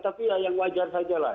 tapi ya yang wajar saja lah